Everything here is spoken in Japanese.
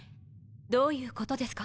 どういうことですか？